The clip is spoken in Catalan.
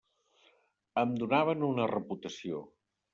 Em donaven una reputació.